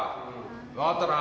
分かったな？